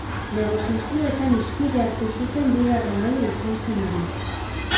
Negoziazioetan hizpide hartu zuten bigarren gaia izan zen hori.